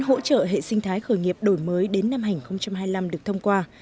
hỗ trợ hệ sinh thái khởi nghiệp đổi mới đến năm hành hai mươi năm được thông qua